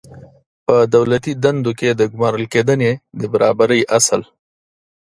په دولتي دندو کې د ګمارل کېدنې د برابرۍ اصل